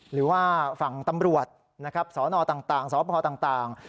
หรือว่าฝั่งตำรวจนะครับสนต่างสพต่าง